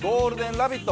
「ラヴィット！」